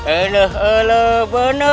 alah alah benar aden